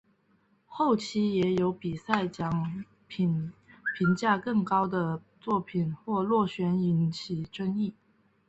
后期也有比得奖作品评价更高的作品或落选引起争议的作品。